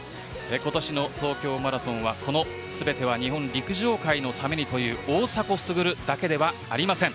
今年の東京マラソンは全ては日本陸上界のためにというこの大迫傑だけではありません。